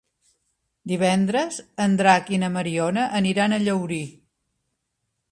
Divendres en Drac i na Mariona aniran a Llaurí.